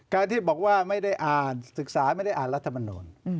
การที่บอกว่าไม่ได้อ่านศึกษาไม่ได้อ่านรัฐมนูล